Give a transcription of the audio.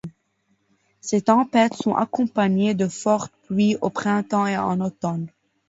Ces tempêtes sont accompagnées de fortes pluies au printemps et en automne.